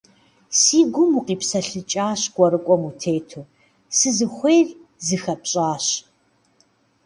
Си гум укъипсэлъыкӀащ кӀуэрыкӀуэм утету, сызыхуейр зыхэпщӀащ.